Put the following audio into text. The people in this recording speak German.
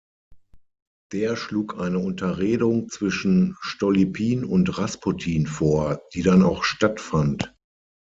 Der schlug eine Unterredung zwischen Stolypin und Rasputin vor, die dann auch stattfand.